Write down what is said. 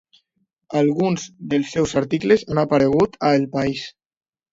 Alguns dels seus articles han aparegut a El País.